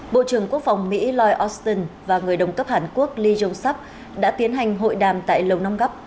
bộ trưởng quốc phòng mỹ lloyd austin và người đồng cấp hàn quốc lee jong sup đã tiến hành hội đàm tại lồng nong gap